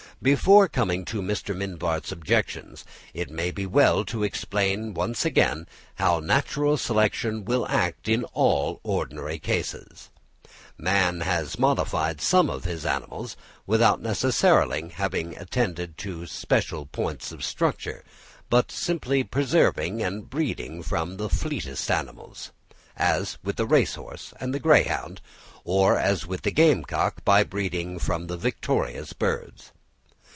Before coming to Mr. Mivart's objections, it may be well to explain once again how natural selection will act in all ordinary cases. Man has modified some of his animals, without necessarily having attended to special points of structure, by simply preserving and breeding from the fleetest individuals, as with the race horse and greyhound, or as with the game cock, by breeding from the victorious birds.